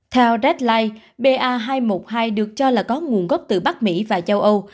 theo redline ba hai một hai được cho là có nguồn gốc từ bắc mỹ và châu âu